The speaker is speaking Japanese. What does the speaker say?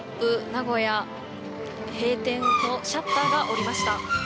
名古屋閉店のシャッターがおりました。